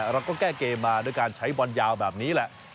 เราก็แก้เกมมาด้วยการใช้บอลยาวแบบนี้แหละ